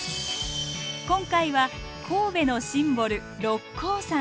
今回は神戸のシンボル六甲山。